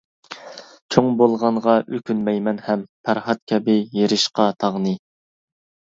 چوڭ بولغانغا ئۆكۈنمەيمەن ھەم، پەرھات كەبى يېرىشقا تاغنى.